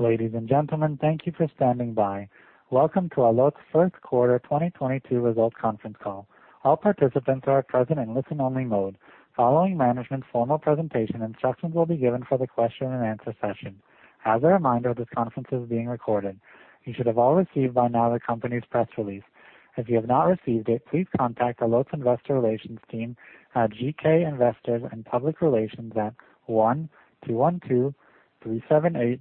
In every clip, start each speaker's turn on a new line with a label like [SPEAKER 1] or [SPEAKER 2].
[SPEAKER 1] Ladies and gentlemen, thank you for standing by. Welcome to Allot's first quarter 2022 results conference call. All participants are present in listen only mode. Following management's formal presentation, instructions will be given for the question-and-answer session. As a reminder, this conference is being recorded. You should have all received by now the company's press release. If you have not received it, please contact Allot's investor relations team at GK Investor & Public Relations at 212-378-8040,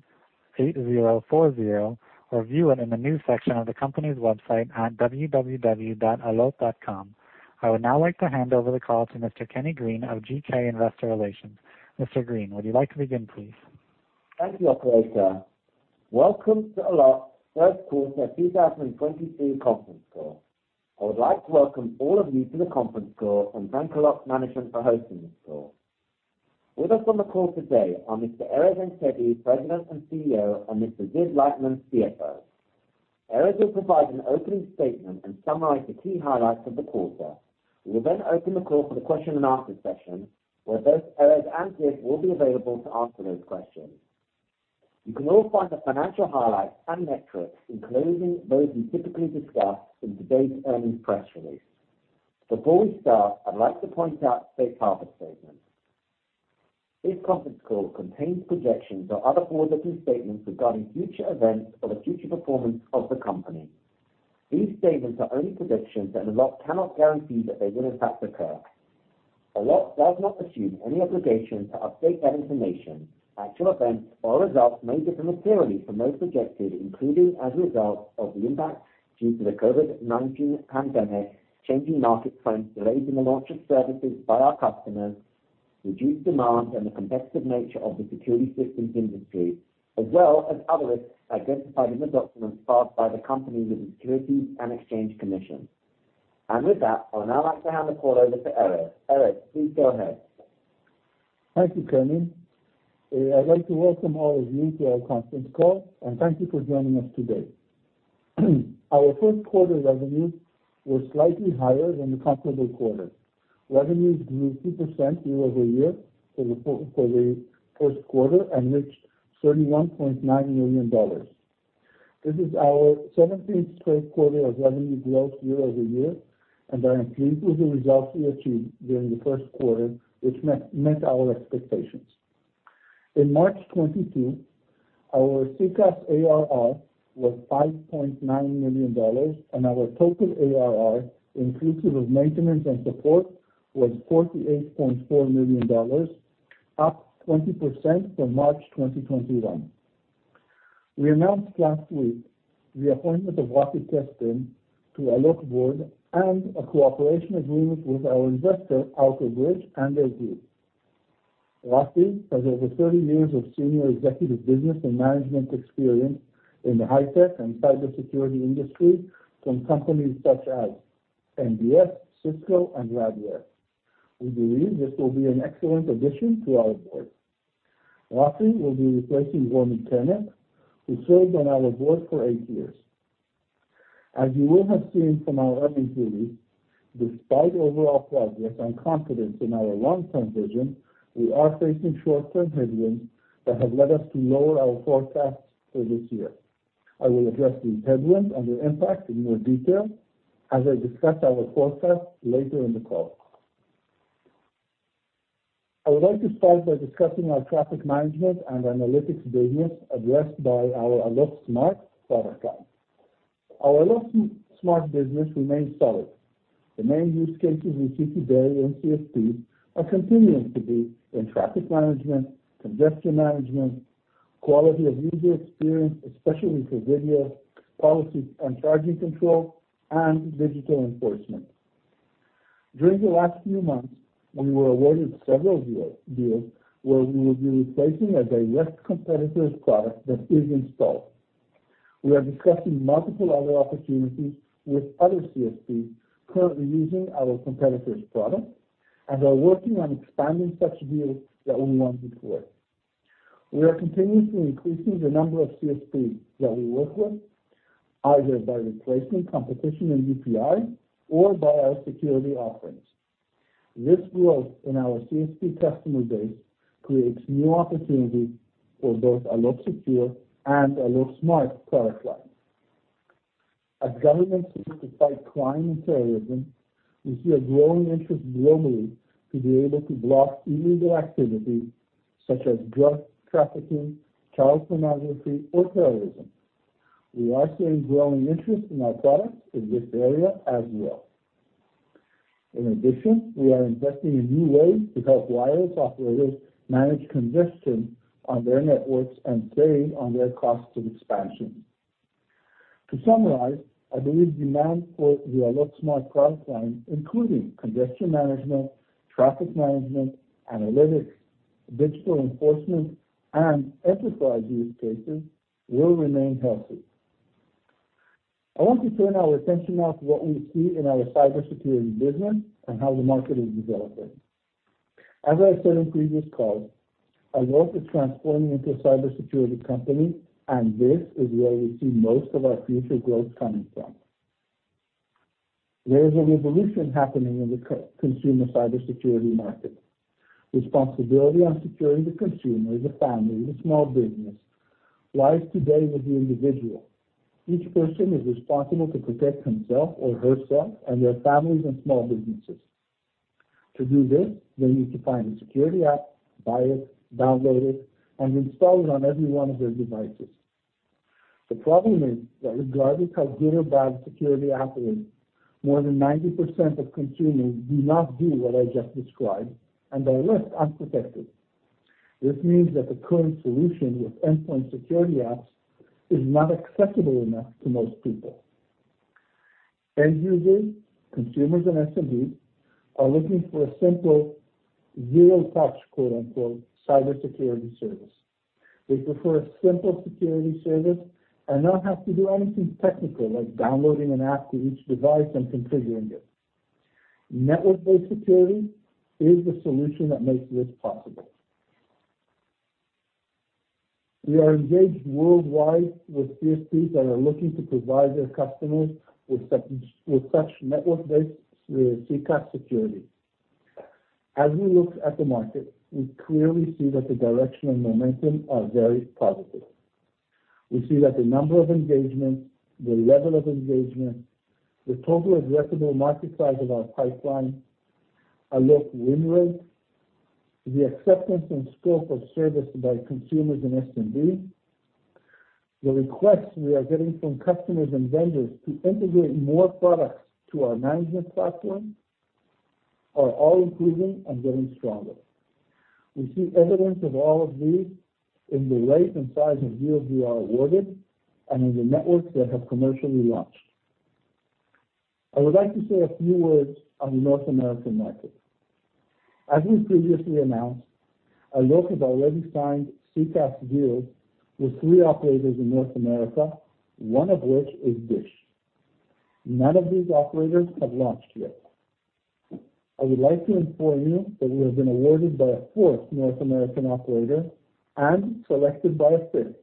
[SPEAKER 1] or view it in the news section of the company's website at www.allot.com. I would now like to hand over the call to Mr. Kenny Green of GK Investor Relations. Mr. Green, would you like to begin, please?
[SPEAKER 2] Thank you, operator. Welcome to Allot first quarter 2022 conference call. I would like to welcome all of you to the conference call and thank Allot management for hosting this call. With us on the call today are Mr. Erez Antebi, President and CEO, and Mr. Ziv Leitman, CFO. Erez will provide an opening statement and summarize the key highlights of the quarter. We will then open the call for the question-and-answer session, where both Erez and Ziv will be available to answer those questions. You can all find the financial highlights and metrics, including those we typically discuss in today's earnings press release. Before we start, I'd like to point out safe harbor statement. This conference call contains projections or other forward-looking statements regarding future events or the future performance of the company. These statements are only predictions that Allot cannot guarantee that they will in fact occur. Allot does not assume any obligation to update that information. Actual events or results may differ materially from those projected, including as a result of the impact due to the COVID-19 pandemic, changing market trends, delays in the launch of services by our customers, reduced demand, and the competitive nature of the security systems industry, as well as other risks identified in the documents filed by the company with the Securities and Exchange Commission. With that, I would now like to hand the call over to Erez. Erez, please go ahead.
[SPEAKER 3] Thank you, Kenny. I'd like to welcome all of you to our conference call and thank you for joining us today. Our first quarter revenue was slightly higher than the comparable quarter. Revenues grew 2% year-over-year for the first quarter and reached $31.9 million. This is our 17th straight quarter of revenue growth year-over-year, and I am pleased with the results we achieved during the first quarter, which met our expectations. In March 2022, our CCaaS ARR was $5.9 million and our total ARR inclusive of maintenance and support was $48.4 million, up 20% from March 2021. We announced last week the appointment of Rafi Teston to Allot's board and a cooperation agreement with our investor, Outerbridge, and their view. Rafi has over 30 years of senior executive business and management experience in the high-tech and cybersecurity industry from companies such as MBS, Cisco and Radware. We believe this will be an excellent addition to our board. Rafi will be replacing Rami Hadar, who served on our board for 8 years. As you will have seen from our earnings release, despite overall progress and confidence in our long-term vision, we are facing short-term headwinds that have led us to lower our forecasts for this year. I will address these headwinds and their impact in more detail as I discuss our forecasts later in the call. I would like to start by discussing our traffic management and analytics business addressed by our Allot Smart product line. Our Allot Smart business remains solid. The main use cases we see today in CSP are continuing to be in traffic management, congestion management, quality of user experience, especially for video policy and charging control and digital enforcement. During the last few months, we were awarded several deals where we will be replacing a direct competitor's product that is installed. We are discussing multiple other opportunities with other CSPs currently using our competitor's product and are working on expanding such deals that we won before. We are continuously increasing the number of CSPs that we work with, either by replacing competition in UPI or by our security offerings. This growth in our CSP customer base creates new opportunities for both Allot Secure and Allot Smart product lines. As governments seek to fight crime and terrorism, we see a growing interest globally to be able to block illegal activity such as drug trafficking, child pornography or terrorism. We are seeing growing interest in our products in this area as well. In addition, we are investing in new ways to help wireless operators manage congestion on their networks and save on their cost of expansion. To summarize, I believe demand for the Allot Smart product line, including congestion management, traffic management, analytics, digital enforcement, and enterprise use cases will remain healthy. I want to turn our attention now to what we see in our cybersecurity business and how the market is developing. As I said in previous calls, Allot is transforming into a cybersecurity company, and this is where we see most of our future growth coming from. There is a revolution happening in the consumer cybersecurity market. Responsibility on securing the consumer, the family, the small business lies today with the individual. Each person is responsible to protect himself or herself, and their families, and small businesses. To do this, they need to find a security app, buy it, download it, and install it on every one of their devices. The problem is that regardless how good or bad security app is, more than 90% of consumers do not do what I just described, and they're left unprotected. This means that the current solution with endpoint security apps is not accessible enough to most people. End users, consumers and SMBs are looking for a simple zero touch, quote-unquote, "cybersecurity service." They prefer a simple security service and not have to do anything technical, like downloading an app to each device and configuring it. Network-based security is the solution that makes this possible. We are engaged worldwide with CSPs that are looking to provide their customers with such network-based SECaaS security. As we look at the market, we clearly see that the direction and momentum are very positive. We see that the number of engagements, the level of engagement, the total addressable market size of our pipeline, Allot win rate, the acceptance and scope of service by consumers and SMB, the requests we are getting from customers and vendors to integrate more products to our management platform are all improving and getting stronger. We see evidence of all of these in the rate and size of deals we are awarded and in the networks that have commercially launched. I would like to say a few words on the North American market. As we previously announced, Allot has already signed CCaaS deals with three operators in North America, one of which is Dish. None of these operators have launched yet. I would like to inform you that we have been awarded by a fourth North American operator and selected by a fifth.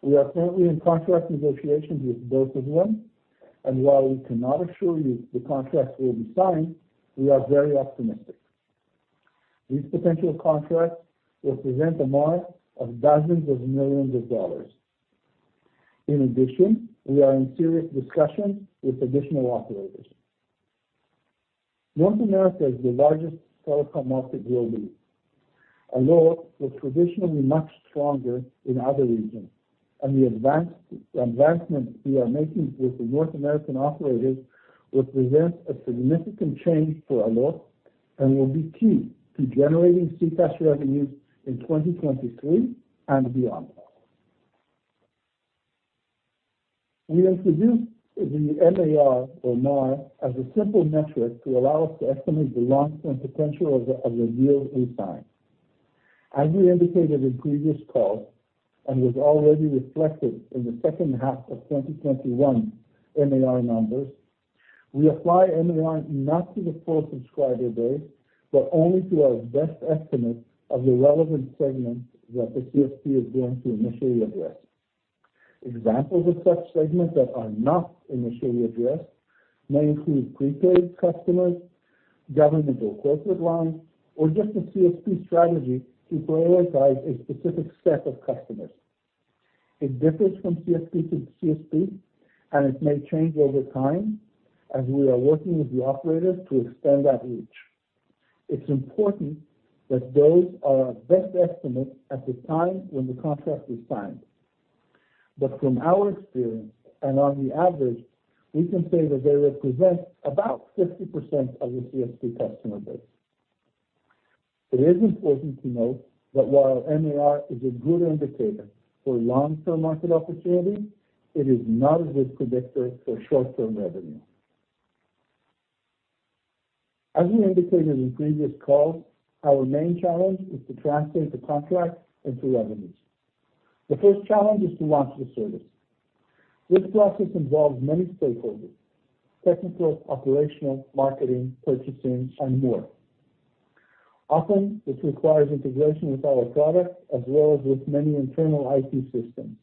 [SPEAKER 3] We are currently in contract negotiations with both of them, and while we cannot assure you the contract will be signed, we are very optimistic. These potential contracts will present a MAR of $ dozens of millions. In addition, we are in serious discussions with additional operators. North America is the largest telecom market globally. Allot was traditionally much stronger in other regions, and the advancement we are making with the North American operators will present a significant change for Allot, and will be key to generating CCaaS revenues in 2023 and beyond. We introduced the MAR, or MAR, as a simple metric to allow us to estimate the long-term potential of a deal we signed. As we indicated in previous calls and was already reflected in the second half of 2021 MAR numbers, we apply MAR not to the full subscriber base, but only to our best estimate of the relevant segment that the CSP is going to initially address. Examples of such segments that are not initially addressed may include prepaid customers, government or corporate lines, or just a CSP strategy to prioritize a specific set of customers. It differs from CSP to CSP, and it may change over time as we are working with the operators to extend that reach. It's important that those are our best estimates at the time when the contract is signed. From our experience, and on the average, we can say that they represent about 50% of the CSP customer base. It is important to note that while MAR is a good indicator for long-term market opportunity, it is not a good predictor for short-term revenue. As we indicated in previous calls, our main challenge is to translate the contract into revenues. The first challenge is to launch the service. This process involves many stakeholders, technical, operational, marketing, purchasing, and more. Often, this requires integration with our product as well as with many internal IT systems.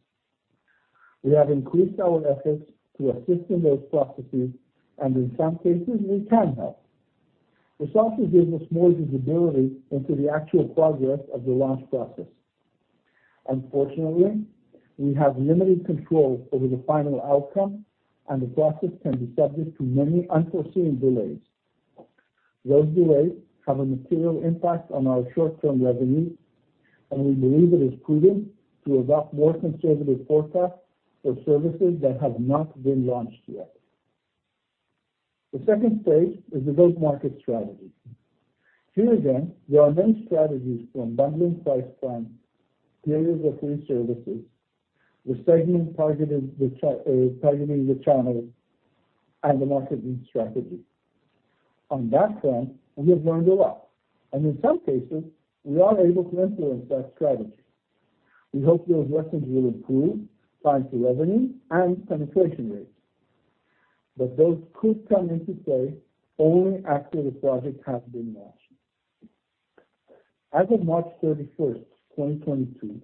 [SPEAKER 3] We have increased our efforts to assist in those processes, and in some cases, we can help. This also gives us more visibility into the actual progress of the launch process. Unfortunately, we have limited control over the final outcome, and the process can be subject to many unforeseen delays. Those delays have a material impact on our short-term revenue, and we believe it is prudent to adopt more conservative forecasts for services that have not been launched yet. The second stage is the go-to-market strategy. Here again, there are many strategies from bundling price plans, periods of free services, the segment targeted, targeting the channels, and the marketing strategy. On that front, we have learned a lot, and in some cases, we are able to influence that strategy. We hope those lessons will improve time to revenue and penetration rates. Those could come into play only after the project has been launched. As of March 31, 2022,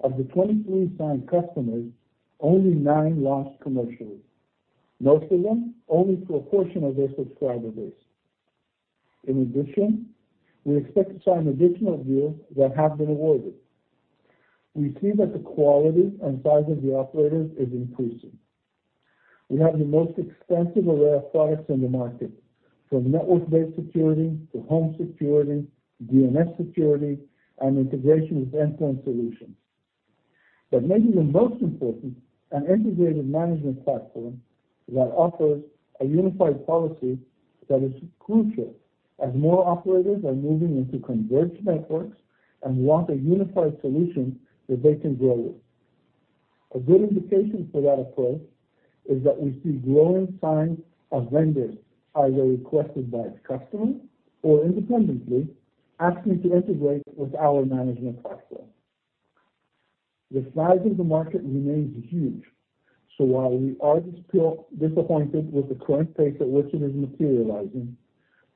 [SPEAKER 3] of the 23 signed customers, only nine launched commercially. Most of them, only to a portion of their subscriber base. In addition, we expect to sign additional deals that have been awarded. We see that the quality and size of the operators is increasing. We have the most extensive array of products in the market, from network-based security to home security, DNS security, and integration with endpoint solutions. Maybe the most important, an integrated management platform that offers a unified policy that is crucial as more operators are moving into converged networks and want a unified solution that they can grow with. A good indication for that approach is that we see growing signs of vendors, either requested by the customer or independently, asking to integrate with our management platform. The size of the market remains huge, so while we are disappointed with the current pace at which it is materializing,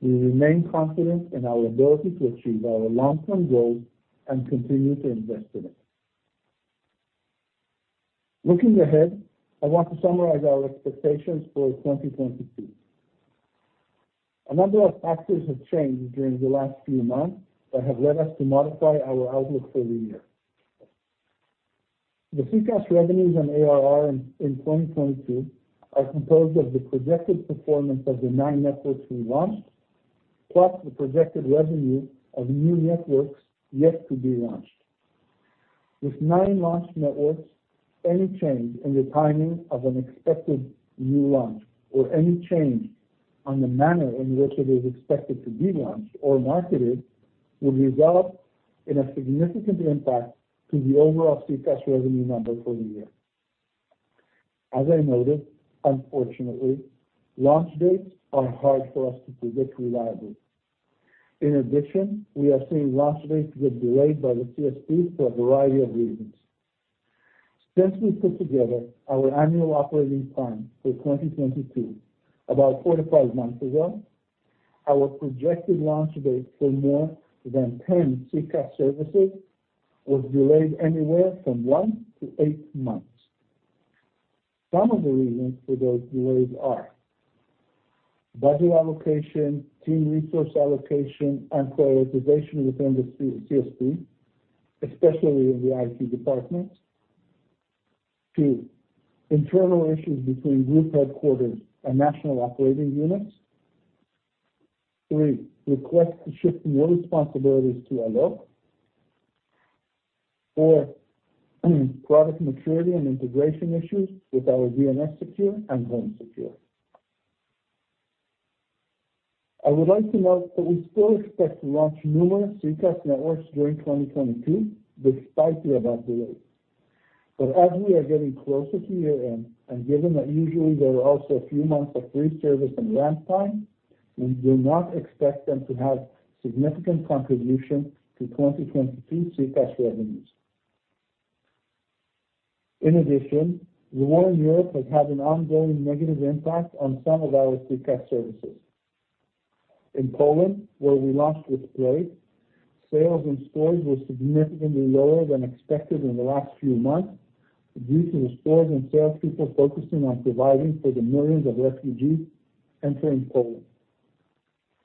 [SPEAKER 3] we remain confident in our ability to achieve our long-term goals and continue to invest in it. Looking ahead, I want to summarize our expectations for 2022. A number of factors have changed during the last few months that have led us to modify our outlook for the year. The CCaaS revenues and ARR in 2022 are composed of the projected performance of the nine networks we launched, plus the projected revenue of new networks yet to be launched. With nine launched networks, any change in the timing of an expected new launch or any change on the manner in which it is expected to be launched or marketed will result in a significant impact to the overall CCaaS revenue number for the year. As I noted, unfortunately, launch dates are hard for us to predict reliably. In addition, we are seeing launch dates get delayed by the CSP for a variety of reasons. Since we put together our annual operating plan for 2022 about 45 months ago, our projected launch date for more than 10 CCaaS services was delayed anywhere from one to eight months. Some of the reasons for those delays are budget allocation, team resource allocation, and prioritization within the CSP, especially in the IT department. two. Internal issues between group headquarters and national operating units. three. Request to shift more responsibilities to Allot. four. Product maturity and integration issues with our DNS Secure and HomeSecure. I would like to note that we still expect to launch numerous CCaaS networks during 2022 despite the above delays. As we are getting closer to year-end, and given that usually there are also a few months of free service and ramp time, we do not expect them to have significant contribution to 2022 CCaaS revenues. In addition, the war in Europe has had an ongoing negative impact on some of our CCaaS services. In Poland, where we launched with Play, sales in stores were significantly lower than expected in the last few months due to the stores and sales people focusing on providing for the millions of refugees entering Poland.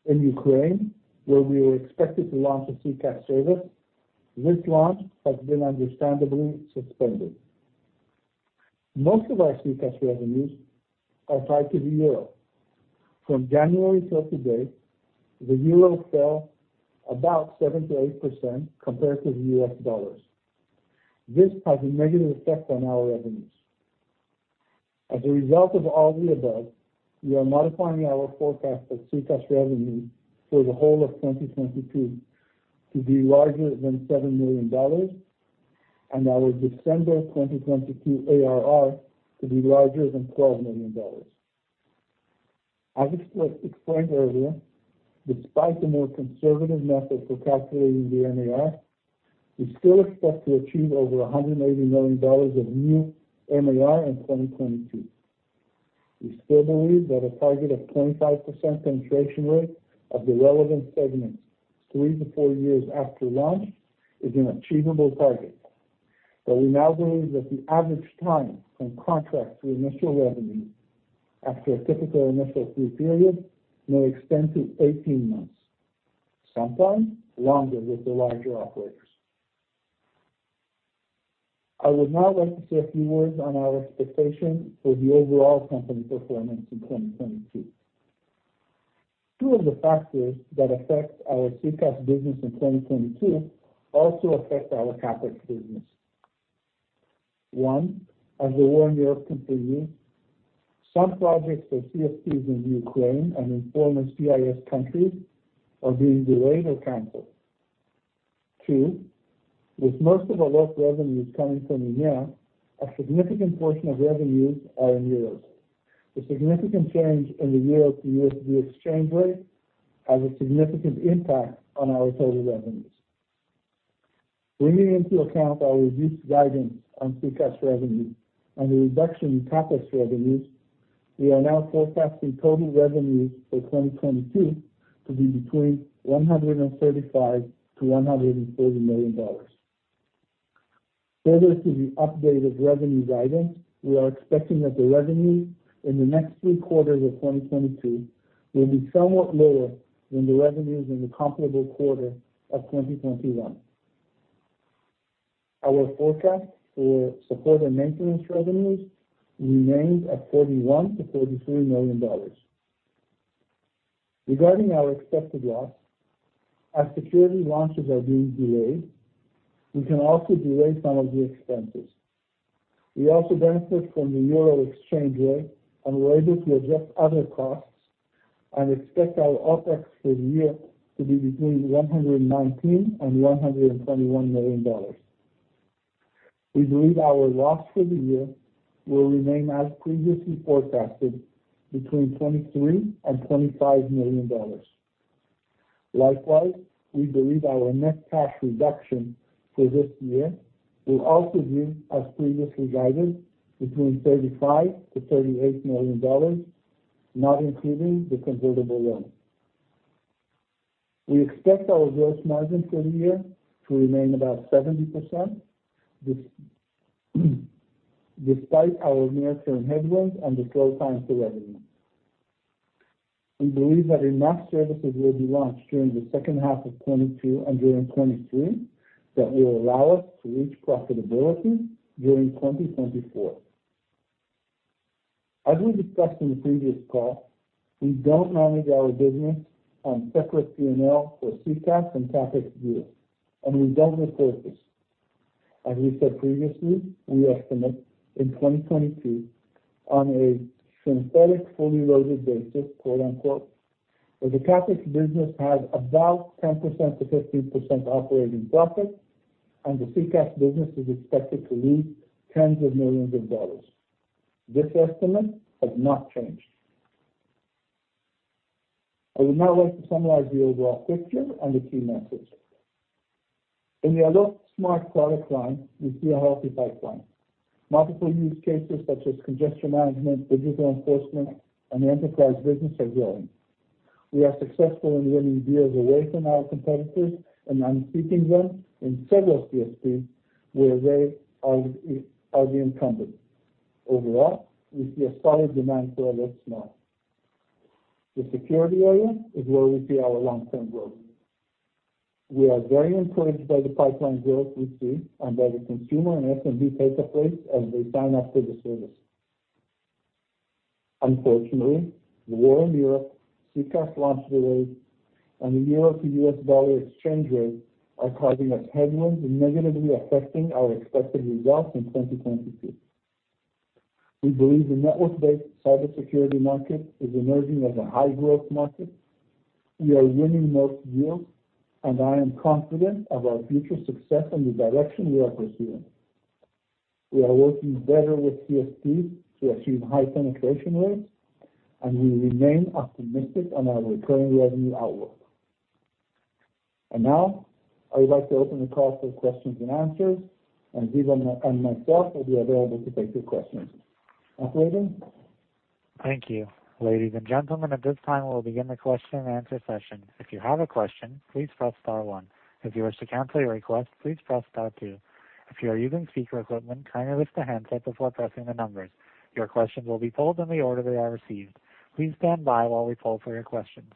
[SPEAKER 3] In Ukraine, where we were expected to launch a CCaaS service, this launch has been understandably suspended. Most of our CCaaS revenues are tied to the euro. From January till today, the euro fell about 7%-8% compared to the U.S. dollars. This has a negative effect on our revenues. As a result of all of the above, we are modifying our forecast of CCaaS revenue for the whole of 2022 to be larger than $7 million, and our December 2022 ARR to be larger than $12 million. As explained earlier, despite the more conservative method for calculating the MAR, we still expect to achieve over $180 million of new MAR in 2022. We still believe that a target of 25% penetration rate of the relevant segments three to four years after launch is an achievable target, but we now believe that the average time from contract to initial revenue after a typical initial free period may extend to 18 months, sometimes longer with the larger operators. I would now like to say a few words on our expectation for the overall company performance in 2022. Two of the factors that affect our CCaaS business in 2022 also affect our CapEx business. One, as the war in Europe continues, some projects for CSPs in Ukraine and in former CIS countries are being delayed or canceled. Two, with most of Allot's revenues coming from EMEA, a significant portion of revenues are in euros. The significant change in the euro to USD exchange rate has a significant impact on our total revenues. Bringing into account our reduced guidance on CCaaS revenue and the reduction in CapEx revenues, we are now forecasting total revenues for 2022 to be between $135 million-$140 million. Further to the updated revenue guidance, we are expecting that the revenue in the next three quarters of 2022 will be somewhat lower than the revenues in the comparable quarter of 2021. Our forecast for support and maintenance revenues remains at $41 million-$43 million. Regarding our expected loss, as security launches are being delayed, we can also delay some of the expenses. We also benefit from the euro exchange rate, and we're able to adjust other costs and expect our OpEx for the year to be between $119 million and $121 million. We believe our loss for the year will remain as previously forecasted, between $23 million and $25 million. Likewise, we believe our net cash reduction for this year will also be as previously guided, between 35 to 38 million dollars, not including the convertible loan. We expect our gross margin for the year to remain about 70% despite our near-term headwinds and the slow times for revenue. We believe that enough services will be launched during the second half of 2022 and during 2023 that will allow us to reach profitability during 2024. As we discussed in the previous call, we don't manage our business on separate P&L for CCaaS and CapEx deals, and we don't report this. As we said previously, we estimate in 2022 on a synthetic fully loaded basis, quote, unquote, that the CapEx business has about 10%-15% operating profit, and the CCaaS business is expected to lose $ tens of millions. This estimate has not changed. I would now like to summarize the overall picture and the key message. In the Allot Smart product line, we see a healthy pipeline. Multiple use cases such as congestion management, digital enforcement, and the enterprise business are growing. We are successful in winning deals away from our competitors and unseating them in several CSPs where they are the incumbent. Overall, we see a solid demand for Allot Smart. The security area is where we see our long-term growth. We are very encouraged by the pipeline growth we see and by the consumer and SMB take-up rates as they sign up for the service. Unfortunately, the war in Europe, CCaaS launch delays, and the euro to U.S. dollar exchange rate are causing us headwinds and negatively affecting our expected results in 2022. We believe the network-based cybersecurity market is emerging as a high-growth market. We are winning more deals, and I am confident of our future success and the direction we are pursuing. We are working better with CSPs to achieve high penetration rates, and we remain optimistic on our recurring revenue outlook. Now, I would like to open the call for questions and answers, and Ziv Leitman and myself will be available to take your questions. Operator?
[SPEAKER 1] Thank you. Ladies and gentlemen, at this time we'll begin the question and answer session. If you have a question, please press star one. If you wish to cancel your request, please press star two. If you are using speaker equipment, kindly lift the handset before pressing the numbers. Your questions will be pulled in the order they are received. Please stand by while we pull for your questions.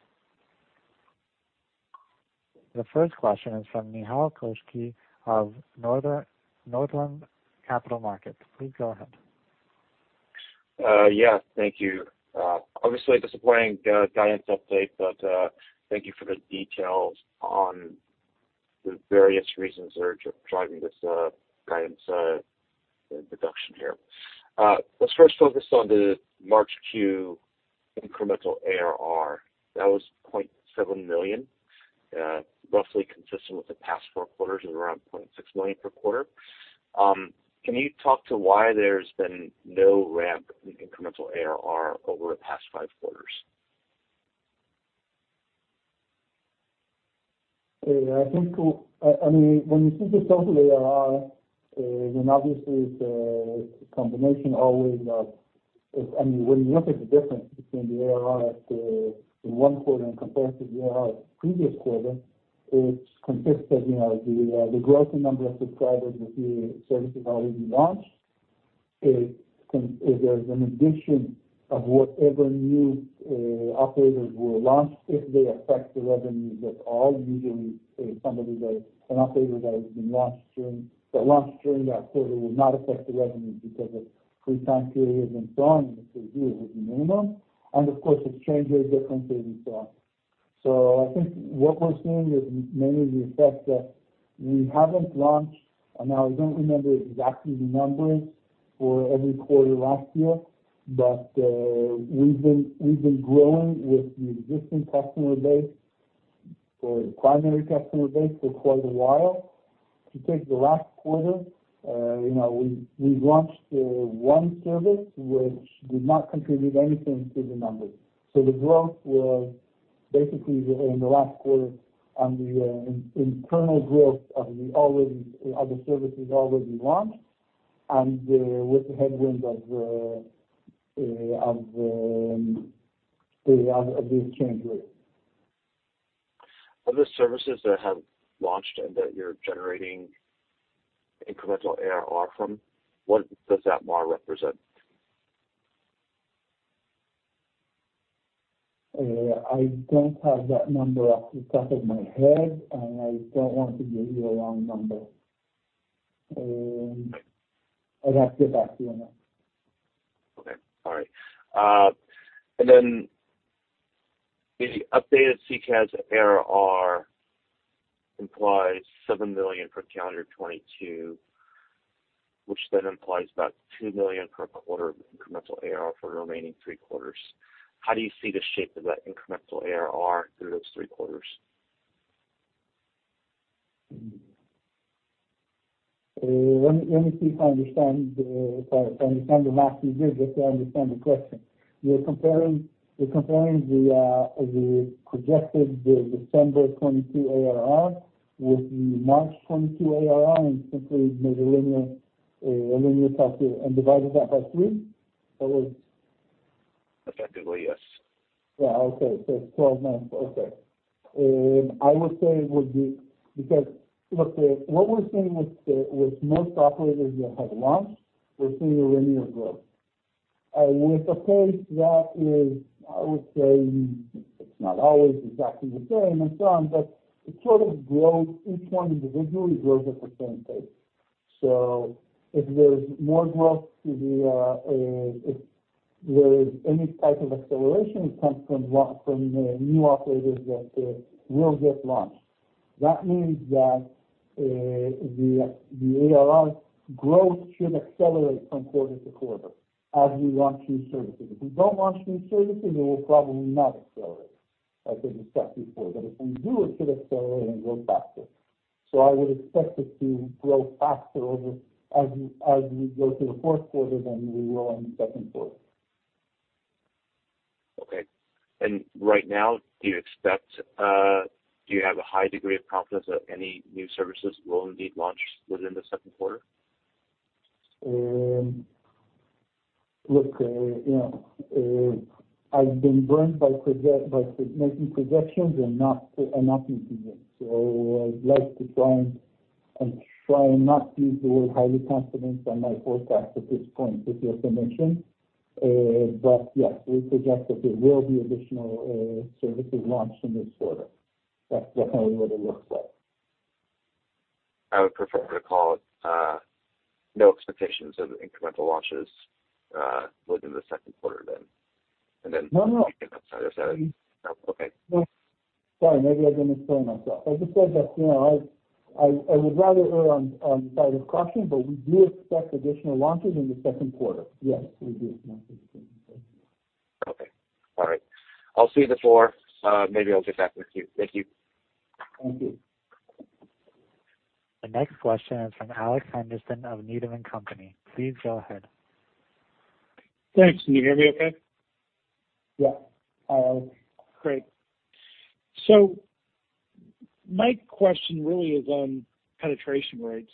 [SPEAKER 1] The first question is from Nehal Chokshi of Northland Capital Markets. Please go ahead.
[SPEAKER 4] Yeah, thank you. Obviously disappointing guidance update, but thank you for the details on the various reasons that are driving this guidance reduction here. Let's first focus on the March Q incremental ARR. That was $0.7 million, roughly consistent with the past four quarters of around $0.6 million per quarter. Can you talk to why there's been no ramp in incremental ARR over the past five quarters?
[SPEAKER 3] I mean, when you see the total ARR, then obviously it's a combination always of. I mean, when you look at the difference between the ARR in one quarter and compared to the ARR of the previous quarter, it consists of, you know, the growing number of subscribers with the services already launched. There's an addition of whatever new operators were launched if they affect the revenues at all. Usually, an operator that has been launched during that quarter will not affect the revenues because the free time period has been gone. Here it was minimum. Of course, exchange rate difference as you saw. I think what we're seeing is mainly the effect that we haven't launched, and now I don't remember exactly the numbers for every quarter last year, but we've been growing with the existing customer base, the primary customer base for quite a while. To take the last quarter, you know, we launched one service which did not contribute anything to the numbers. The growth was basically in the last quarter on the internal growth of the services already launched, and with the headwind of the exchange rate.
[SPEAKER 4] Of the services that have launched and that you're generating incremental ARR from, what does that MAR represent?
[SPEAKER 3] I don't have that number off the top of my head, and I don't want to give you a wrong number. I'd have to get back to you on that.
[SPEAKER 4] The updated CCaaS ARR implies $7 million for calendar 2022, which implies about $2 million per quarter of incremental ARR for the remaining three quarters. How do you see the shape of that incremental ARR through those three quarters?
[SPEAKER 3] Let me see if I understand the math you did, if I understand the question. You're comparing the projected December 2022 ARR with the March 2022 ARR and simply made a linear factor and divided that by 3? Or was-
[SPEAKER 4] Effectively, yes.
[SPEAKER 3] It's 12 months. Okay. I would say it would be. Because look, what we're seeing with most operators that have launched, we're seeing a linear growth. With a pace that is, I would say, it's not always exactly the same and so on, but it sort of grows, each one individually grows at the same pace. If there's more growth to the, if there is any type of acceleration, it comes from from new operators that will get launched. That means that the ARR growth should accelerate from quarter to quarter as we launch new services. If we don't launch new services, it will probably not accelerate as I discussed before. If we do, it should accelerate and grow faster. I would expect it to grow faster overall as we go through the fourth quarter than we will in the second quarter.
[SPEAKER 4] Okay. Right now, do you expect, do you have a high degree of confidence that any new services will indeed launch within the second quarter?
[SPEAKER 3] Look, you know, I've been burned by making projections and not meeting them. I'd like to try and not be the word highly confident on my forecast at this point, as you also mentioned. Yes, we project that there will be additional services launched in this quarter. That's definitely what it looks like.
[SPEAKER 4] I would prefer to call no expectations of incremental launches within the second quarter then.
[SPEAKER 3] No, no.
[SPEAKER 4] Okay.
[SPEAKER 3] Sorry, maybe I didn't explain myself. I just said that, you know, I would rather err on the side of caution, but we do expect additional launches in the second quarter. Yes, we do.
[SPEAKER 4] Okay. All right. I'll see you before. Maybe I'll get back with you. Thank you.
[SPEAKER 3] Thank you.
[SPEAKER 1] The next question is from Alex Henderson of Needham & Company. Please go ahead.
[SPEAKER 5] Thanks. Can you hear me okay?
[SPEAKER 3] Yeah.
[SPEAKER 5] Great. My question really is on penetration rates.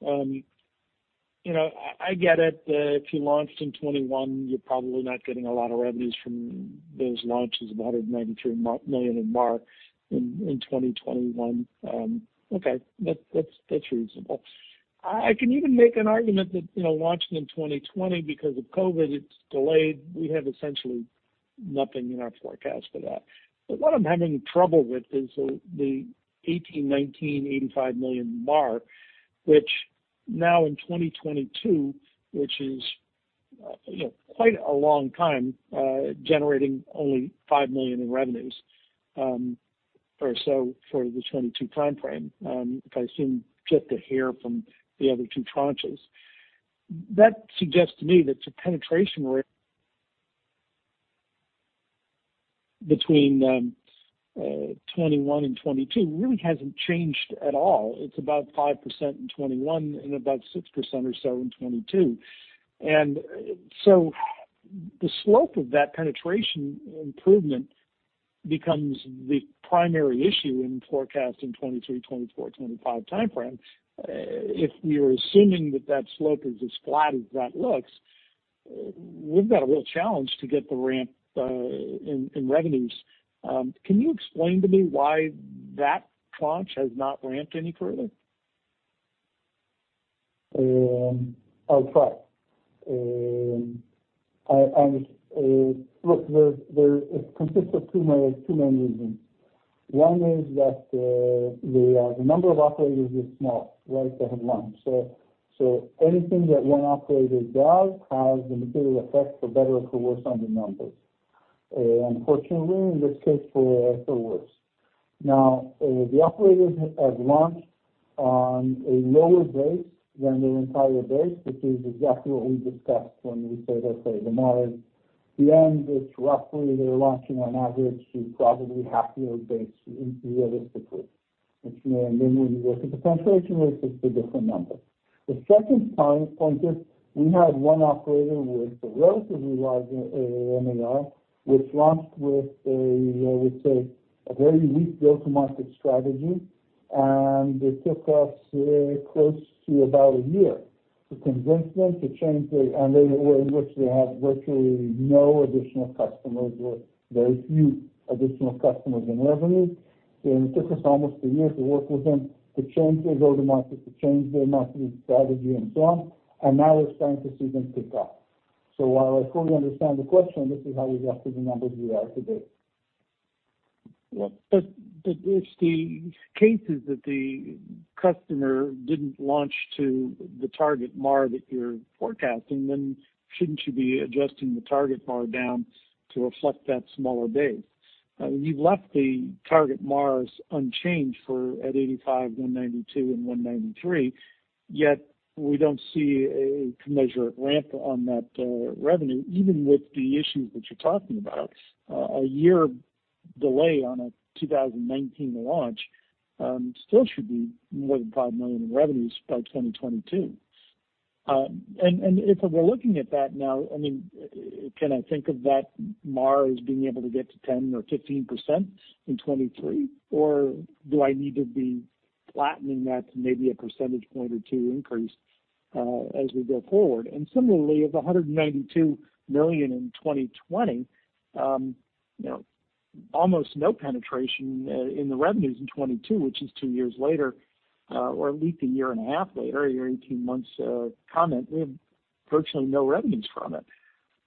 [SPEAKER 5] You know, I get it that if you launched in 2021, you're probably not getting a lot of revenues from those launches, about $193 million in MAR in 2021. Okay. That's reasonable. I can even make an argument that, you know, launching in 2020 because of COVID-19, it's delayed. We have essentially nothing in our forecast for that. What I'm having trouble with is the 2018, 2019 $85 million MAR, which now in 2022, which is, you know, quite a long time, generating only $5 million in revenues, or so for the 2022 timeframe, if I assume just a hair from the other two tranches. That suggests to me that the penetration rate between 2021 and 2022 really hasn't changed at all. It's about 5% in 2021 and about 6% or so in 2022. The slope of that penetration improvement becomes the primary issue in forecasting 2023, 2024, 2025 timeframe. If we're assuming that that slope is as flat as that looks, we've got a real challenge to get the ramp in revenues. Can you explain to me why that tranche has not ramped any further?
[SPEAKER 3] I'll try. I'm... Look, there. It consists of two main reasons. One is that the number of operators is small, right, that have launched. Anything that one operator does has a material effect for better or for worse on the numbers. Unfortunately, in this case, for worse. Now, the operators have launched on a lower base than their entire base, which is exactly what we discussed when we said, okay, the MAR at the end is roughly they're launching on average to probably half their base realistically, which, you know, and then when you look at the penetration rates, it's a different number. The second time period, we had one operator with a relatively large MAR, which launched with, I would say, a very weak go-to-market strategy, and it took us close to about a year to convince them to change the, and during which they had virtually no additional customers or very few additional customers and revenue. It took us almost a year to work with them to change their go-to-market, to change their marketing strategy, and so on, and now we're starting to see them pick up. While I fully understand the question, this is how we got to the numbers we are today.
[SPEAKER 5] If the case is that the customer didn't launch to the target MAR that you're forecasting, then shouldn't you be adjusting the target MAR down to reflect that smaller base? You've left the target MARs unchanged for $85, $192 and $193, yet we don't see a measure ramp on that revenue. Even with the issues that you're talking about, a year delay on a 2019 launch, still should be more than $5 million in revenues by 2022. If we're looking at that now, I mean, can I think of that MAR as being able to get to 10% or 15% in 2023, or do I need to be flattening that to maybe a percentage point or two increase, as we go forward? Similarly, of $192 million in 2020, you know, almost no penetration in the revenues in 2022, which is two years later, or at least a year and a half later, your 18 months comment, we have virtually no revenues from it.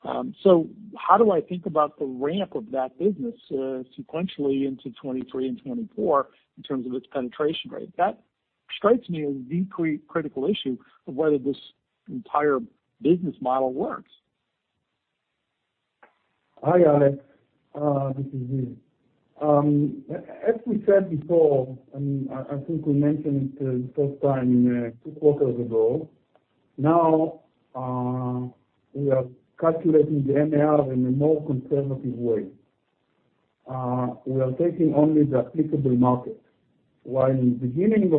[SPEAKER 5] How do I think about the ramp of that business sequentially into 2023 and 2024 in terms of its penetration rate? That strikes me as a deeply critical issue of whether this entire business model works.
[SPEAKER 6] Hi, Alex, this is Ziv. As we said before, and I think we mentioned it the first time, two quarters ago, now, we are calculating the MAR in a more conservative way. We are taking only the applicable market, while in the beginning,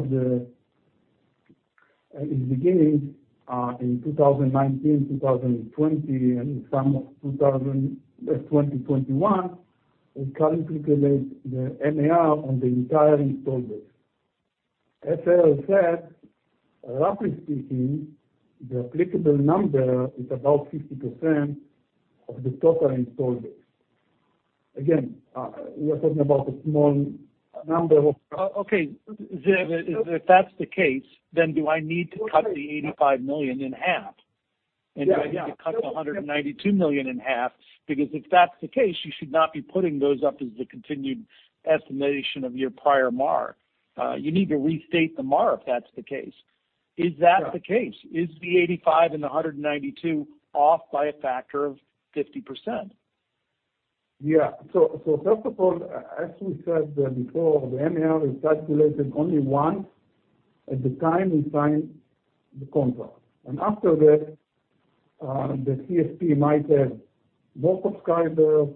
[SPEAKER 6] in 2019, 2020, and some of 2021, we calculated the MAR on the entire installed base. As I said, roughly speaking, the applicable number is about 50% of the total installed base. Again, we're talking about a small number of
[SPEAKER 5] Ziv, if that's the case, then do I need to cut the $85 million in half?
[SPEAKER 3] Yeah. Yeah.
[SPEAKER 5] Do I need to cut the $192 million in half? Because if that's the case, you should not be putting those up as the continued estimation of your prior MAR. You need to restate the MAR if that's the case. Is that the case?
[SPEAKER 3] Yeah.
[SPEAKER 5] Is the 85 and the 192 off by a factor of 50%?
[SPEAKER 3] Yeah. First of all, as we said before, the MAR is calculated only once at the time we sign the contract. After that, the CSP might have more subscribers,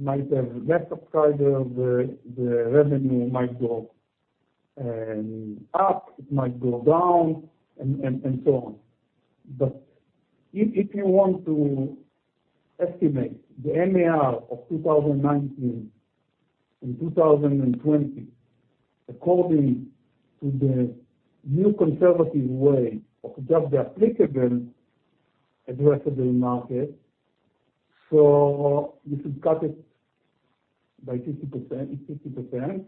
[SPEAKER 3] might have less subscribers, the revenue might go up, it might go down, and so on. If you want to estimate the MAR of 2019 and 2020 according to the new conservative way of just the applicable addressable market, you should cut it by 50%. It's 50%.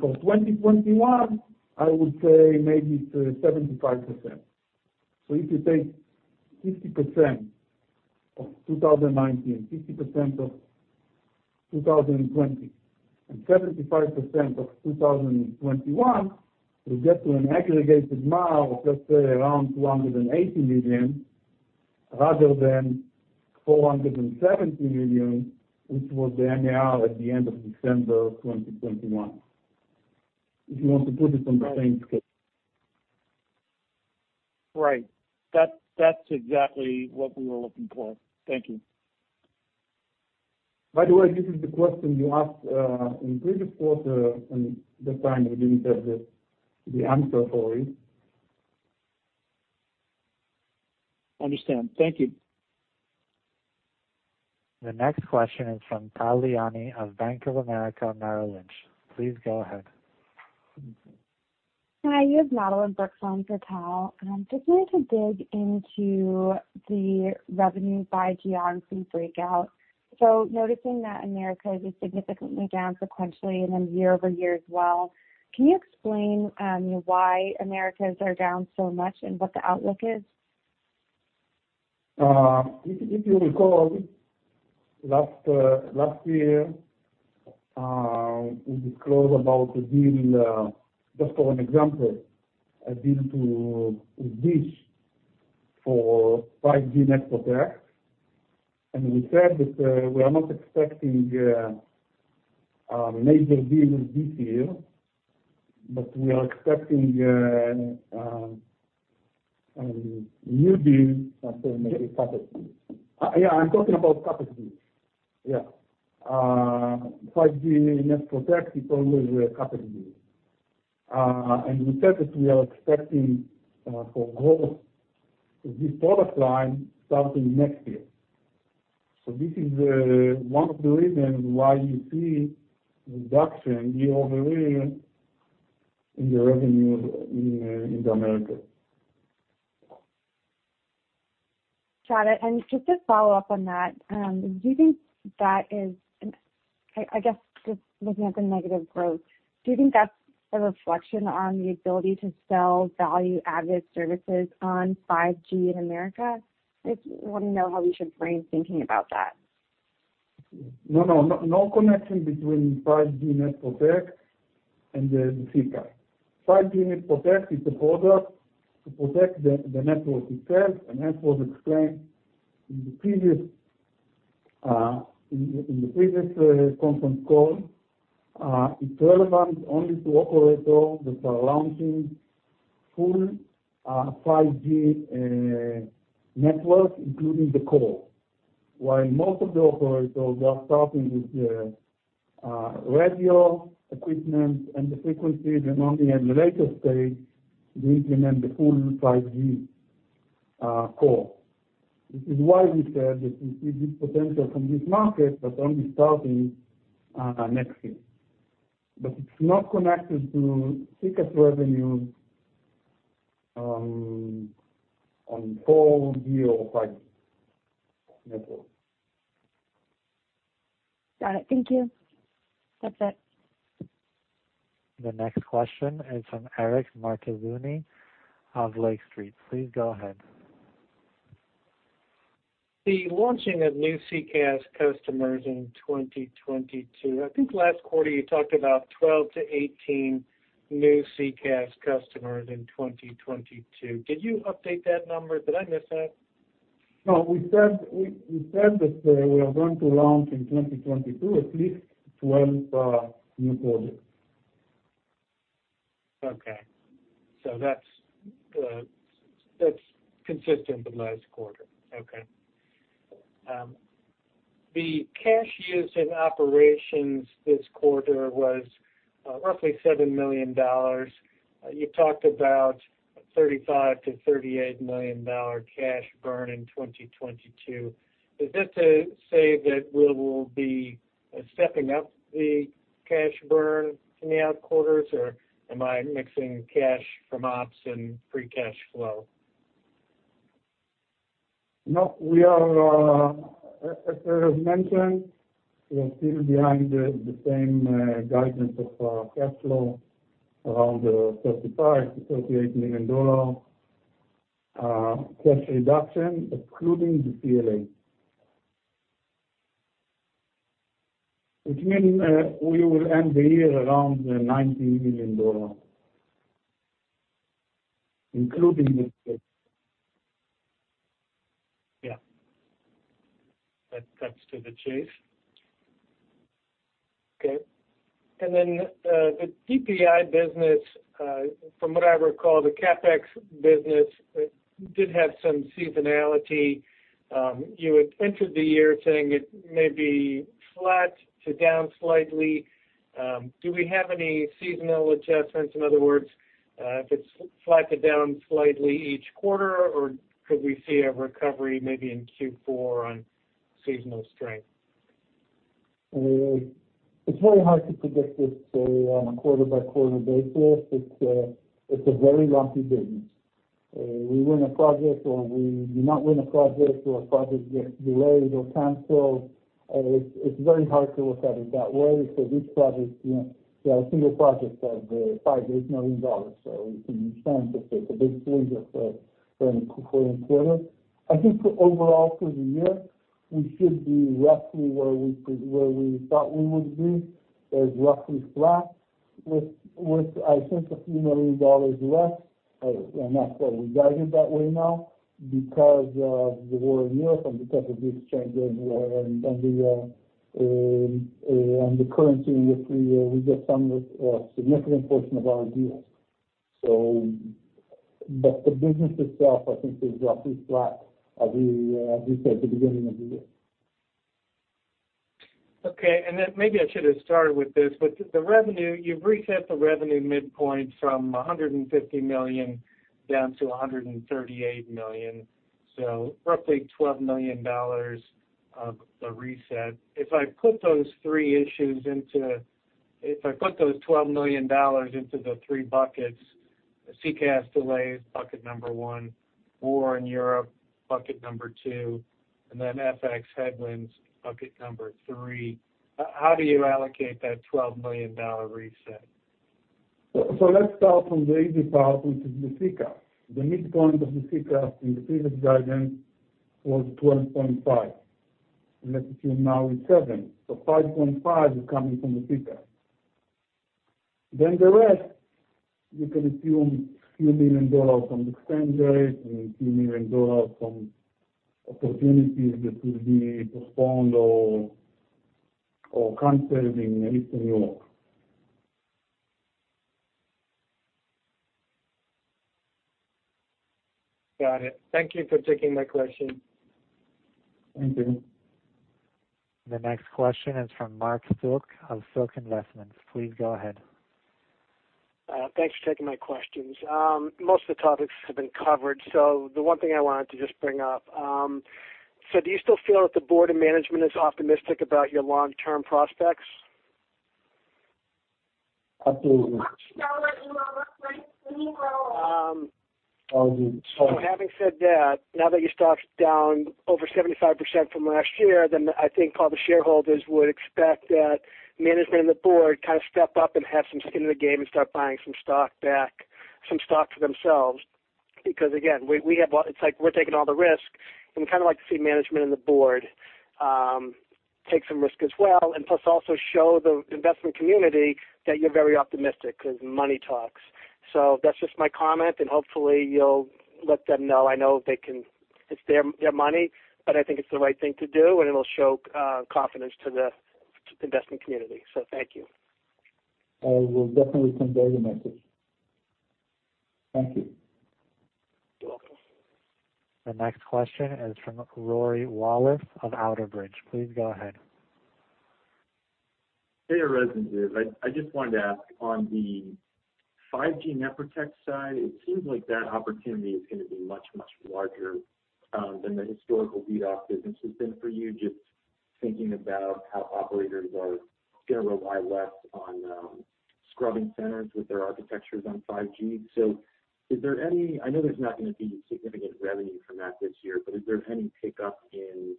[SPEAKER 3] For 2021, I would say maybe to 75%. If you take 50% of 2019, 50% of 2020, and 75% of 2021, you get to an aggregated MAR of, let's say, around $280 million rather than $470 million, which was the MAR at the end of December 2021, if you want to put it on the same scale.
[SPEAKER 5] Right. That's exactly what we were looking for. Thank you.
[SPEAKER 3] By the way, this is the question you asked in previous quarter, and that time we didn't have the answer for it.
[SPEAKER 5] Understand. Thank you.
[SPEAKER 1] The next question is from Tal Liani of Bank of America Merrill Lynch. Please go ahead.
[SPEAKER 7] Hi. You have Madeline Brooks on for Tal. Just wanted to dig into the revenue by geography breakout. Noticing that Americas is significantly down sequentially and then year-over-year as well, can you explain why Americas are down so much and what the outlook is?
[SPEAKER 3] If you recall, last year we disclosed about a deal, just for an example, a deal with DISH for 5G NetProtect. We said that we are not expecting major deals this year, but we are expecting a new deal.
[SPEAKER 5] Maybe capacity.
[SPEAKER 3] I'm talking about capacity. 5G NetProtect, it's only a couple of years. We said that we are expecting for growth of this product line starting next year. This is one of the reasons why you see reduction year-over-year in the revenue in the Americas.
[SPEAKER 7] Got it. Just to follow up on that, I guess just looking at the negative growth, do you think that's a reflection on the ability to sell value-added services on 5G in America? I just wanna know how we should frame thinking about that.
[SPEAKER 3] No connection between 5G NetProtect and the. 5G NetProtect is a product to protect the network itself, and that was explained in the previous conference call. It's relevant only to operators that are launching full 5G network, including the core. While most of the operators are starting with the radio equipment and the frequencies, and only at the later stage they implement the full 5G core. Which is why we said that we see good potential from this market, but only starting next year. It's not connected to SECaaS revenue on whole year of 5G network.
[SPEAKER 7] Got it. Thank you. That's it.
[SPEAKER 1] The next question is from Eric Martinuzzi of Lake Street. Please go ahead.
[SPEAKER 8] The launching of new SECaaS customers in 2022, I think last quarter you talked about 12-18 new SECaaS customers in 2022. Did you update that number? Did I miss that?
[SPEAKER 3] No. We said that we are going to launch in 2022 at least 12 new projects.
[SPEAKER 8] Okay. That's consistent with last quarter. Okay. The cash used in operations this quarter was roughly $7 million. You talked about $35 million-$38 million cash burn in 2022. Is this to say that we will be stepping up the cash burn in the outer quarters, or am I mixing cash from ops and free cash flow?
[SPEAKER 3] No. We are, as mentioned, we are still behind the same guidance of cash flow around $35-$38 million dollar cash reduction, excluding the PPA. Which mean we will end the year around $90 million dollar, including the split.
[SPEAKER 8] Yeah. That cuts to the chase. Okay. The DPI business, from what I recall, the CapEx business, did have some seasonality. You had entered the year saying it may be flat to down slightly. Do we have any seasonal adjustments? In other words, if it's flat to down slightly each quarter, or could we see a recovery maybe in Q4 on seasonal strength?
[SPEAKER 3] It's very hard to predict this on a quarter-by-quarter basis. It's a very lumpy business. We win a project or we do not win a project, or a project gets delayed or canceled. It's very hard to look at it that way because each project, you know, a single project of $5-$8 million, so you can understand that it's a big swing for any quarter. I think overall for the year, we should be roughly where we thought we would be, roughly flat with I think $a few million less. That's why we guide it that way now because of the war in Europe and because of the exchange rate and the currency in which we get some significant portion of our deals. But the business itself, I think is roughly flat as we said at the beginning of the year.
[SPEAKER 8] Okay. Maybe I should have started with this, but the revenue, you've reset the revenue midpoint from $150 million down to $138 million, so roughly $12 million of the reset. If I put those $12 million into the three buckets, CCaaS delays, bucket number one, war in Europe, bucket number two, and then FX headwinds, bucket number three, how do you allocate that $12 million reset?
[SPEAKER 3] Let's start from the easy part, which is the SECaaS. The midpoint of the SECaaS in the previous guidance was 12.5, and let's assume now it's 7. 5.5 is coming from the SECaaS. The rest, you can assume $ a few million from exchange rates and $ a few million from opportunities that will be postponed or canceled in Eastern Europe.
[SPEAKER 8] Got it. Thank you for taking my question.
[SPEAKER 3] Thank you.
[SPEAKER 1] The next question is from Marc Silk of Silk Investments. Please go ahead.
[SPEAKER 9] Thanks for taking my questions. Most of the topics have been covered, so the one thing I wanted to just bring up, do you still feel that the board and management is optimistic about your long-term prospects?
[SPEAKER 3] Absolutely.
[SPEAKER 1] Um.
[SPEAKER 3] I will-
[SPEAKER 9] Having said that, now that your stock's down over 75% from last year, I think all the shareholders would expect that management and the board kind of step up and have some skin in the game and start buying some stock back, some stock for themselves. It's like we're taking all the risk and we'd kinda like to see management and the board take some risk as well, and plus also show the investment community that you're very optimistic because money talks. That's just my comment, and hopefully you'll let them know. I know they can. It's their money, but I think it's the right thing to do, and it'll show confidence to the investment community. Thank you.
[SPEAKER 3] I will definitely send out the message. Thank you.
[SPEAKER 9] You're welcome.
[SPEAKER 1] The next question is from Rory Wallace of Outerbridge. Please go ahead.
[SPEAKER 10] Hey, Erez Antebi. I just wanted to ask on the 5G NetProtect side, it seems like that opportunity is gonna be much, much larger than the historical DDoS business has been for you, just thinking about how operators are gonna rely less on scrubbing centers with their architectures on 5G. I know there's not gonna be significant revenue from that this year, but is there any pickup in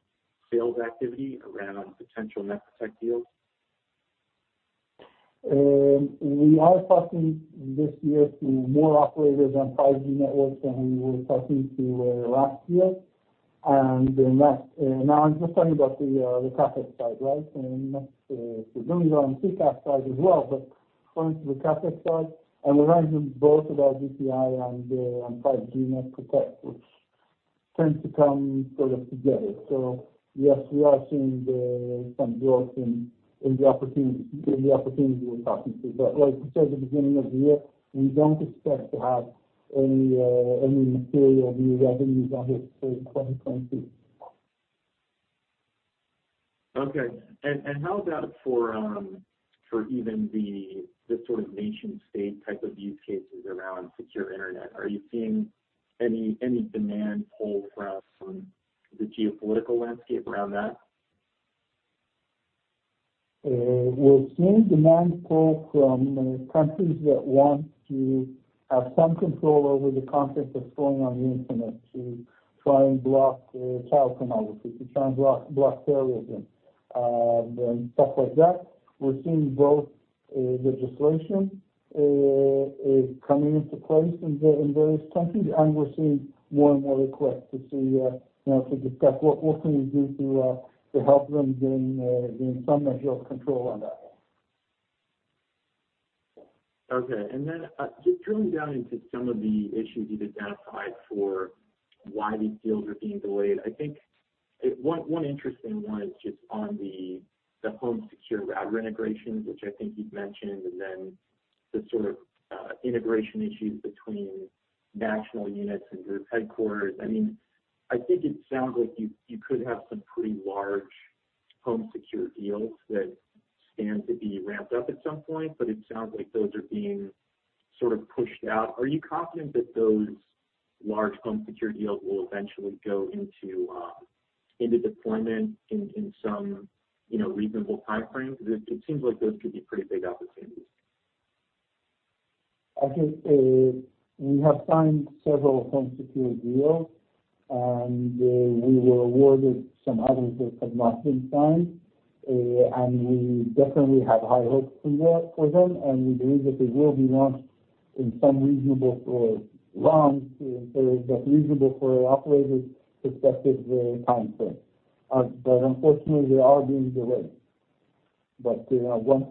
[SPEAKER 10] sales activity around potential NetProtect deals?
[SPEAKER 3] We are talking this year to more operators on 5G networks than we were talking to last year. Now I'm just talking about the CaaS side, right? That's we go on CSP side as well, but going to the CaaS side and we're having both of our DPI and 5G NetProtect, which tend to come sort of together. Yes, we are seeing some growth in the opportunity we're talking to. Like we said at the beginning of the year, we don't expect to have any material new revenues on this for 2020.
[SPEAKER 10] Okay. How about for even the sort of nation-state type of use cases around secure internet, are you seeing any demand pull from the geopolitical landscape around that?
[SPEAKER 3] We're seeing demand pull from countries that want to have some control over the content that's going on the internet to try and block child pornography, to try and block terrorism, and stuff like that. We're seeing both legislation coming into place in various countries, and we're seeing more and more requests, you know, to discuss what we can do to help them gain some measure of control on that.
[SPEAKER 10] Okay. Just drilling down into some of the issues you've identified for why these deals are being delayed. I think it—One interesting one is just on the home secure router integrations, which I think you'd mentioned, and then the sort of integration issues between national units and group headquarters. I mean, I think it sounds like you could have some pretty large HomeSecure deals that stand to be ramped up at some point, but it sounds like those are being sort of pushed out. Are you confident that those large HomeSecure deals will eventually go into into deployment in some you know reasonable timeframe? Because it seems like those could be pretty big opportunities.
[SPEAKER 3] I think we have signed several HomeSecure deals, and we were awarded some others that have not been signed. We definitely have high hopes for that, for them, and we believe that they will be launched in some reasonable timeframe from operators' perspective. Unfortunately, they are being delayed. Once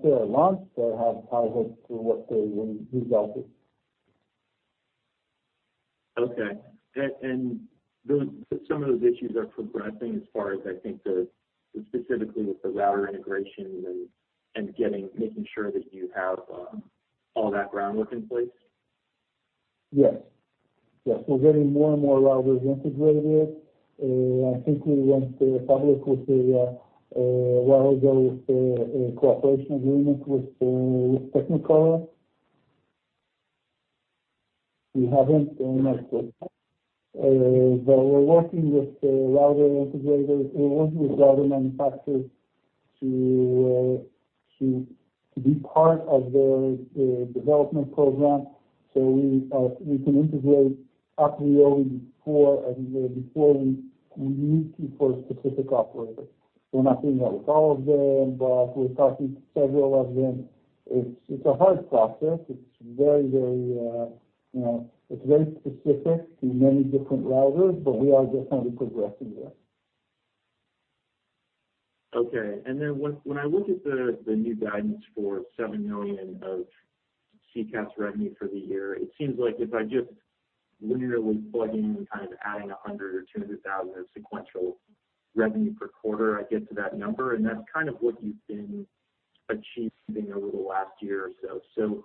[SPEAKER 3] they are launched, I have high hopes for what they will result in.
[SPEAKER 10] Some of those issues are progressing, as far as I think, specifically with the router integrations and getting making sure that you have all that groundwork in place.
[SPEAKER 3] Yes. Yes. We're getting more and more routers integrated. I think we went public a while ago with a cooperation agreement with Technicolor. We haven't? My fault. We're working with router integrators and working with router manufacturers to be part of their development program so we can integrate API before we need to for a specific operator. We're not doing that with all of them, but we're talking to several of them. It's a hard process. It's very, you know, it's very specific to many different routers, but we are definitely progressing there.
[SPEAKER 10] Okay. Then when I look at the new guidance for $7 million of CCaaS revenue for the year, it seems like if I just linearly plug in, kind of adding $100 thousand or $200 thousand of sequential revenue per quarter, I get to that number. That's kind of what you've been achieved over the last year or so.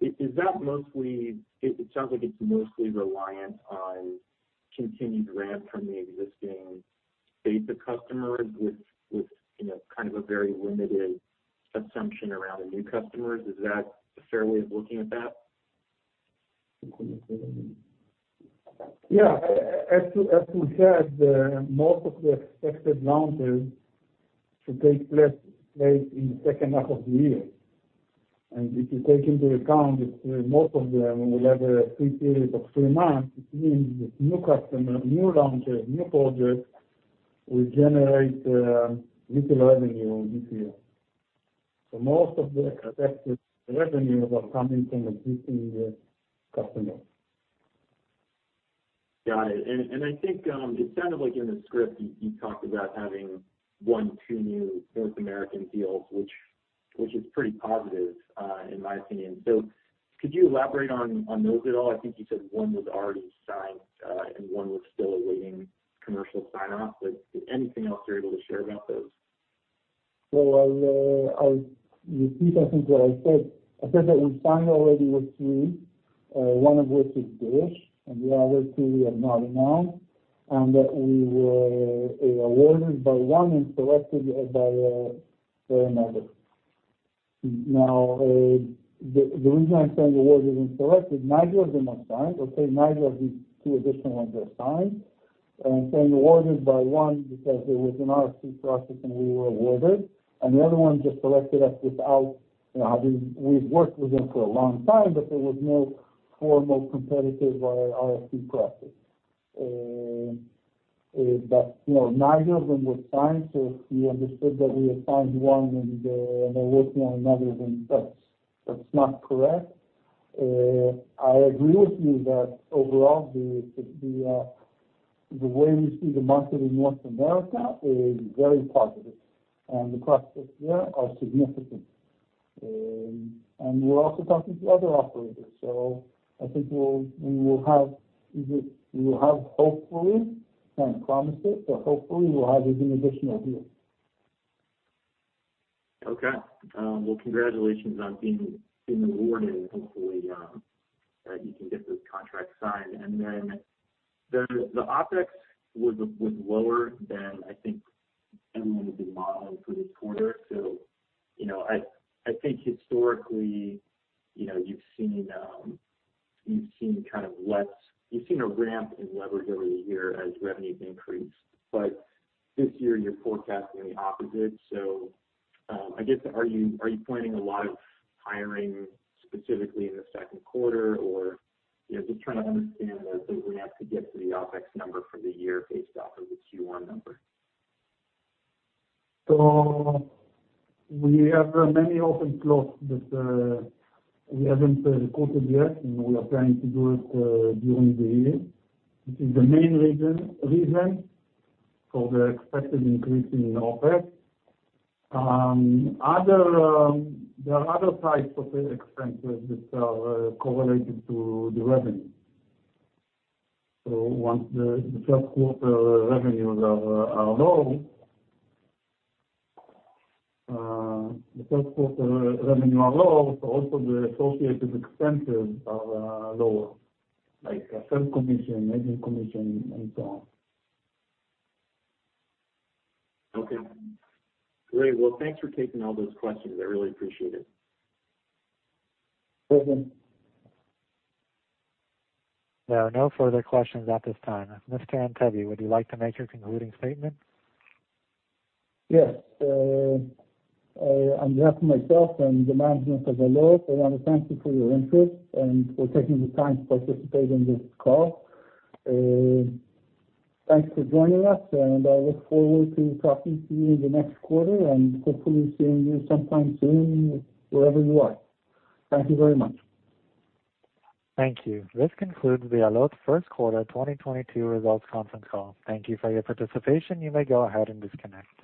[SPEAKER 10] Is that mostly reliant on continued ramp from the existing base of customers with, you know, kind of a very limited assumption around the new customers. Is that a fair way of looking at that?
[SPEAKER 3] Yeah. As you said, most of the expected launches should take place in second half of the year. If you take into account that most of them will have a free period of three months, it means that new customer, new launches, new projects will generate little revenue this year. Most of the expected revenues are coming from existing customers.
[SPEAKER 10] Got it. I think it sounded like in the script you talked about having one, two new North American deals, which is pretty positive in my opinion. Could you elaborate on those at all? I think you said 1 was already signed and 1 was still awaiting commercial sign-off. Is anything else you're able to share about those?
[SPEAKER 3] I'll repeat what I said. I said that we signed already with three, one of which is DISH, and the other two we are not allowed, and that we were awarded by one and selected by another. The reason I'm saying awarded and selected, neither of them are signed. Okay. Neither of these two additional ones are signed. Saying awarded by one because there was an RFP process and we were awarded, and the other one just selected us without, you know, having. We've worked with them for a long time, but there was no formal competitive or RFP process. But, you know, neither of them were signed, so if you understood that we have signed one and are working on another, then that's not correct. I agree with you that overall the way we see the market in North America is very positive, and the prospects there are significant. We're also talking to other operators, so I think we will have hopefully, can't promise it, but hopefully we will have even additional deals.
[SPEAKER 10] Okay. Well, congratulations on being awarded and hopefully you can get those contracts signed. The OpEx was lower than I think everyone had been modeling for this quarter. You know, I think historically, you know, you've seen a ramp in leverage every year as revenues increase. This year you're forecasting the opposite. I guess, are you planning a lot of hiring specifically in the second quarter? Or, you know, just trying to understand the ramp to get to the OpEx number for the year based off of the Q1 number.
[SPEAKER 3] We have many open slots that we haven't recorded yet, and we are planning to do it during the year, which is the main reason for the expected increase in OpEx. There are other types of expenses that are correlated to the revenue. Once the first quarter revenues are low, also the associated expenses are lower, like sales commission, agent commission and so on.
[SPEAKER 10] Okay. Great. Well, thanks for taking all those questions. I really appreciate it.
[SPEAKER 3] Welcome.
[SPEAKER 1] There are no further questions at this time. Mr. Antebi, would you like to make your concluding statement?
[SPEAKER 3] Yes. On behalf of myself and the management of Allot, I want to thank you for your interest and for taking the time to participate in this call. Thanks for joining us, and I look forward to talking to you the next quarter and hopefully seeing you sometime soon wherever you are. Thank you very much.
[SPEAKER 1] Thank you. This concludes the Allot first quarter 2022 results conference call. Thank you for your participation. You may go ahead and disconnect.